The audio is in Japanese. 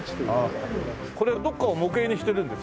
これどっかを模型にしてるんですか？